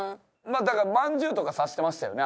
だからまんじゅうとか指してましたよね